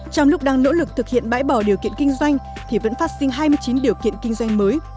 trong lúc đang nỗ lực thực hiện bãi bỏ điều kiện kinh doanh thì vẫn phát sinh hai mươi chín điều kiện kinh doanh mới